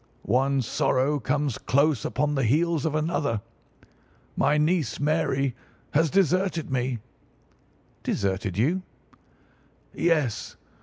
One sorrow comes close upon the heels of another. My niece, Mary, has deserted me." "Deserted you?" "Yes.